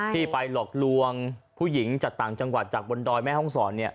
ที่ไปหลอกลวงผู้หญิงจากต่างจังหวัดจากบนดอยแม่ห้องศร